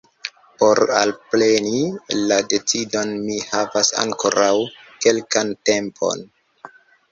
Por alpreni la decidon mi havas ankoraŭ kelkan tempon.